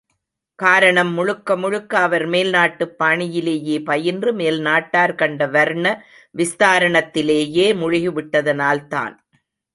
காரணம் முழுக்க முழுக்க அவர் மேல் நாட்டுப் பாணியிலேயே பயின்று மேல் நாட்டார் கண்ட வர்ண விஸ்தாரணத்திலேயே முழுகிவிட்டதனால்தான்.